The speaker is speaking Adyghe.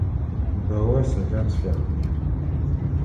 Бэллэ сэлам сфяхыжь.